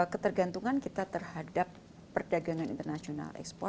ketergantungan kita terhadap perdagangan internasional ekspor